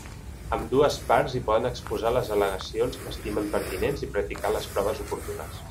Ambdues parts hi poden exposar les al·legacions que estimen pertinents i practicar les proves oportunes.